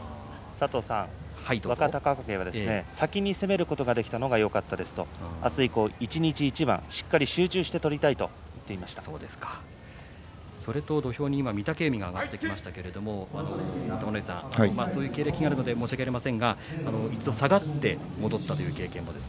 若隆景が先に攻めることができたのがよかったですと明日以降、一日一番しっかり集中して取りたいとそれと土俵に今、御嶽海が上がってきましたけれども玉ノ井さんそういう経歴があるので申し訳ありませんが一度下がって戻ったという経験